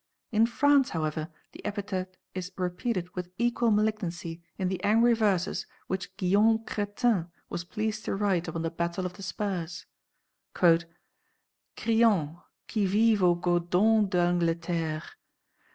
In France however the epithet is repeated with equal malignancy in the angry verses which Guillaume Crétin was pleased to write upon the 'Battle of the Spurs': "Cryant: Qui vive aux Godons d'Angleterre.